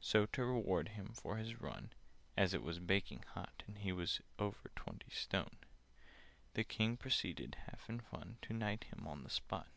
"So, to reward him for his run (As it was baking hot, And he was over twenty stone), The King proceeded, half in fun, To knight him on the spot."